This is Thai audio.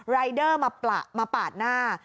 รายเดอร์มาปาดหน้า